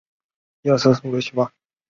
片中的龙福集团便是六福集团。